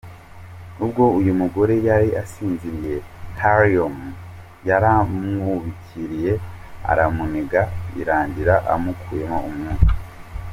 Ubwo uyu mugore yari asinziriye, Hariom yaramwubikiriye aramuniga birangira amukuyemo umwuka.